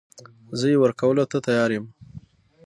زه يې ورکولو ته تيار يم .